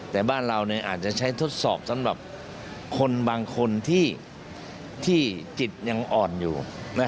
แต่บ้านเราอาจจะใช้ทดสอบสำหรับคนบางคนที่จิตยังอ่อนอยู่